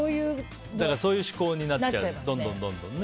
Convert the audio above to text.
そういう思考になっちゃうどんどんね。